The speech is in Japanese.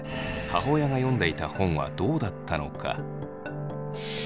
母親が読んでいた本はどうだったのか。